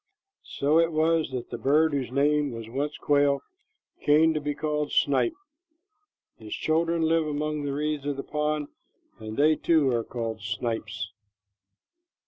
So it was that the bird whose name was once quail came to be called snipe. His children live among the reeds of the pond, and they, too, are called snipes.